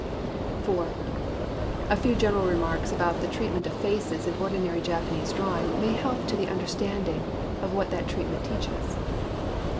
IV A few general remarks about the treatment of faces in ordinary Japanese drawing may help to the understanding of what that treat ment teaches.